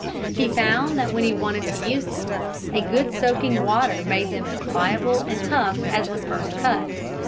He found that when he wanted to use them, a good soaking in water made them as pliable and tough as when first cut.